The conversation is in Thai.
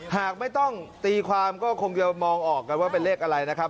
หากไม่ต้องตีความก็คงจะมองออกกันว่าเป็นเลขอะไรนะครับ